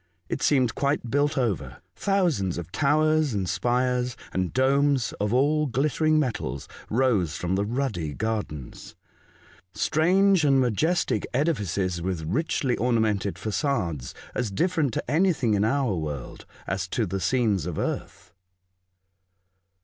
It seemed quite built over. Thousands of towers and spires and domes of all glittering metals rose from the ruddy gardens — strange The Ocean Capital, 133 and majestic edifices with richly ornamented fagades, as different to anything in our world as to the scenes of earth.